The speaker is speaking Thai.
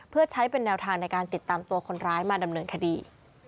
เพื่อใช้เป็นแนวทางในการติดตามตัวคนร้ายมาดำเนินคดี